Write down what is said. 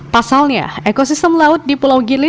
pasalnya ekosistem laut di pulau gili